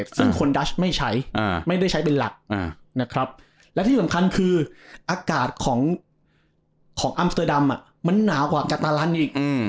ซึ่งคนดัชไม่ใช้ไม่ได้ใช้เป็นหลักนะครับและที่สำคัญคืออากาศของอัมสเตอร์ดัมมันหนาวกว่าการันอีก